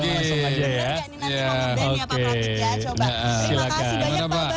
terima kasih banyak pak pak